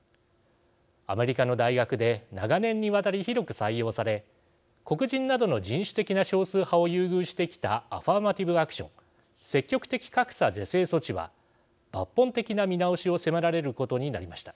アメリカの大学で長年にわたり広く採用され黒人などの人種的な少数派を優遇してきたアファーマティブ・アクション積極的格差是正措置は抜本的な見直しを迫られることになりました。